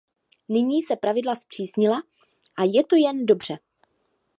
Nyní se pravidla zpřísnila a je to jen dobře.